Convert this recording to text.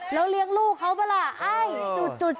แล้วเลี้ยงลูกเขาเบล่าจุด